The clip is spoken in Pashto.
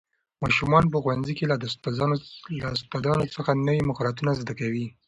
ماشومان په ښوونځي کې له استادانو څخه نوي مهارتونه زده کوي